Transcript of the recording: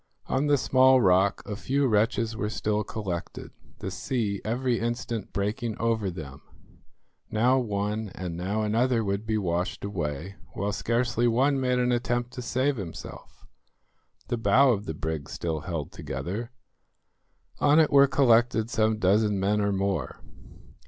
On the small rock a few wretches were still collected, the sea every instant breaking over them. Now one and now another would be washed away, while scarcely one made an attempt to save himself. The bow of the brig still held together. On it were collected some dozen men or more.